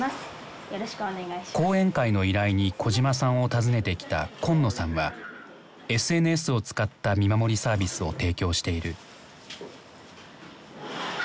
講演会の依頼に小島さんを訪ねてきた紺野さんはＳＮＳを使った見守りサービスを提供している。